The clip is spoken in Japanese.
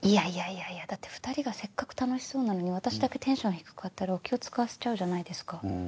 いやいやだって２人がせっかく楽しそうなのに私だけテンション低かったら気を使わせちゃうじゃないですか。